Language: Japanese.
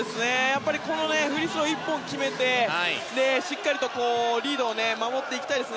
このフリースロー１本決めてしっかりリードを守っていきたいです